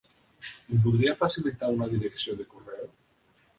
Em podria facilitar una direcció de correu?